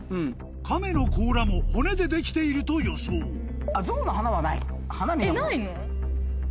カメのこうらも骨でできていると予想ないの？